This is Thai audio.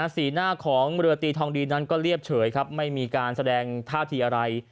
สีหน้าของเรือตีทองดีนั้นก็เรียบเฉยครับไม่มีการแสดงท่าทีอะไร